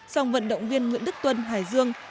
song vận động viên nguyễn đức tuân hải dương